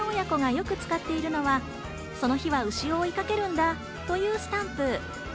こちらの親子がよく使っているのは、「その日は牛を追いかけるんだ」というスタンプ。